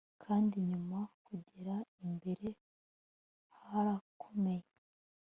Kandi inyuma kugera imbere harakomey